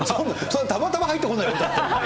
たまたま入ってこないよ、だって。